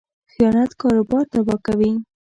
خیانت کاروبار تباه کوي.